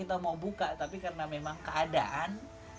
kita mau buka tapi karena memang keadaan